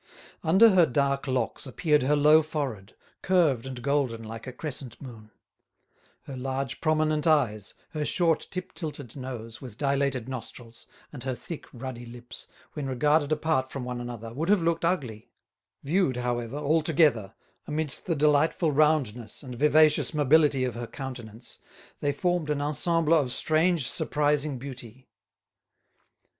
Under her dark locks appeared her low forehead, curved and golden like a crescent moon. Her large prominent eyes, her short tip tilted nose with dilated nostrils, and her thick ruddy lips, when regarded apart from one another, would have looked ugly; viewed, however, all together, amidst the delightful roundness and vivacious mobility of her countenance, they formed an ensemble of strange, surprising beauty.